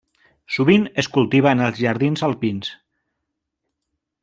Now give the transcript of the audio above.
Sovint es cultiva en els jardins alpins.